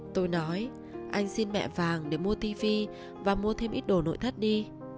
tôi nói anh xin mẹ vàng để mua tv và mua thêm ít đồ nội thất đi